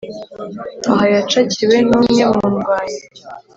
aha yacakiwe numwe mundywanyi